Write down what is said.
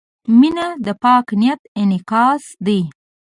• مینه د پاک نیت انعکاس دی.